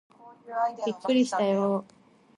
びっくりしたよー